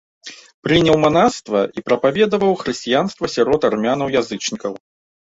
Прыняў манаства і прапаведаваў хрысціянства сярод армянаў-язычнікаў.